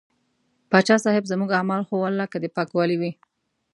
پاچا صاحب زموږ اعمال خو ولاکه د پاکوالي وي.